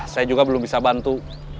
saya juga belum bisa bantu